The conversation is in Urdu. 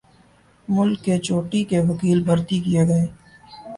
ملک کے چوٹی کے وکیل بھرتی کیے گئے۔